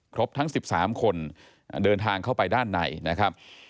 ทั้ง๑๓คนเดินทางเข้าไปด้านในนะครับ